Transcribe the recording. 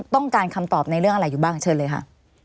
ต้องการคำตอบในเรื่องอะไรอยู่บ้างเชิญเลยค่ะ